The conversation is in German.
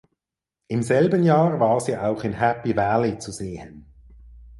Im selben Jahr war sie auch in "Happy Valley" zu sehen.